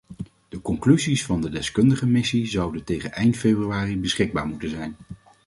De conclusies van de deskundigenmissie zouden tegen eind februari beschikbaar moeten zijn.